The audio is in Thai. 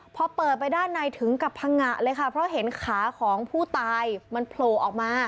พอเปิดไปด้านในถึงกับพังงะเลยค่ะเพราะเห็นขาของผู้ตายมันโผล่ออกมา